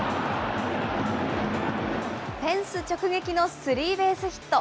フェンス直撃のスリーベースヒット。